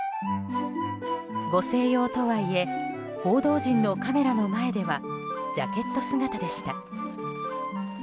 ご静養とはいえ報道陣のカメラの前ではジャケット姿でした。